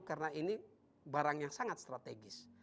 karena ini barang yang sangat strategis